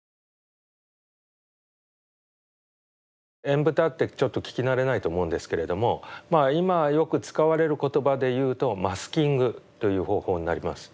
「縁蓋」ってちょっと聞き慣れないと思うんですけれども今よく使われる言葉でいうとマスキングという方法になります。